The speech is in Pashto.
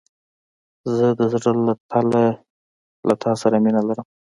زه د زړه له تله له تا سره مينه لرم.